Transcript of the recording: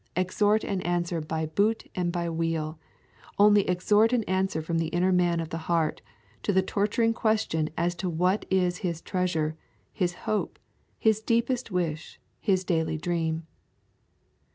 Extort an answer by boot and by wheel, only extort an answer from the inner man of the heart, to the torturing question as to what is his treasure, his hope, his deepest wish, his daily dream.